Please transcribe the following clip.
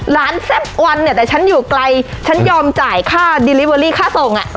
ร้านแซ่บวันเนี้ยแต่ฉันอยู่ไกลฉันยอมจ่ายค่าค่าส่งอ่ะ